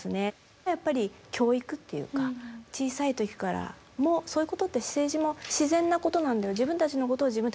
やっぱり教育っていうか小さい時からもそういうことって政治も自然なことなんだよ